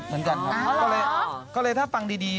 เพราะว่าใจแอบในเจ้า